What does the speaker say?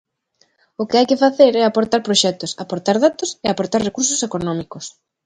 O que hai que facer é aportar proxectos, aportar datos e aportar recursos económicos.